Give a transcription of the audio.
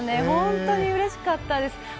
本当にうれしかったです。